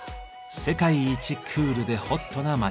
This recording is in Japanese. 世界一クールでホットな街。